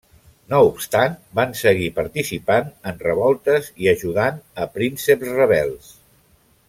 No obstant van seguir participant en revoltes i ajudant a prínceps rebels.